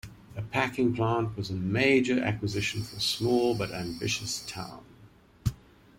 A packing plant was a major acquisition for a small but ambitious town.